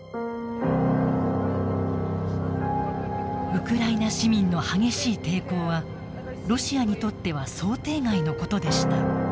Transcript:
ウクライナ市民の激しい抵抗はロシアにとっては想定外のことでした。